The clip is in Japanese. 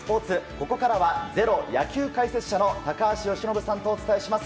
ここからは「ｚｅｒｏ」野球解説者の高橋由伸さんとお伝えします。